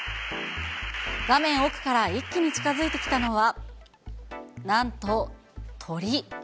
画面奥から一気に近づいてきたのは、なんと鳥。